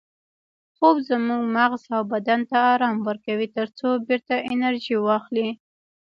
خوب زموږ مغز او بدن ته ارام ورکوي ترڅو بیرته انرژي واخلي